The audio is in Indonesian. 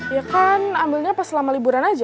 ya kan ambilnya pas selama liburan aja